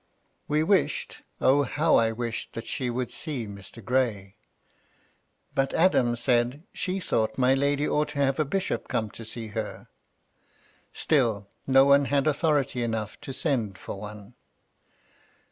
We wished, O how I wished that she would see Mr. Gray ! But Adams said, she thought my lady ought to have a bishop come to see her. Still no one had authority enough to send for one.